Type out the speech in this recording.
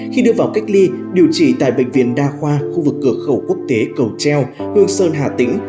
khi đưa vào cách ly điều trị tại bệnh viện đa khoa khu vực cửa khẩu quốc tế cầu treo hương sơn hà tĩnh